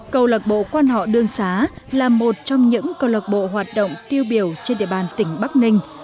câu lạc bộ quan họ đường xá là một trong những câu lạc bộ hoạt động tiêu biểu trên địa bàn tỉnh bắc ninh